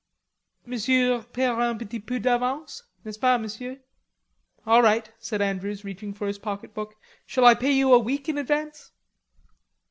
"Monsieur payera un petit peu d'advance, n'est ce pas, Monsieur?" "All right," said Andrews, reaching for his pocketbook. "Shall I pay you a week in advance?"